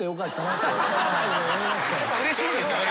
うれしいんですよね。